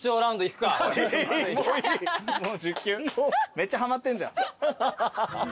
めっちゃはまってんじゃん。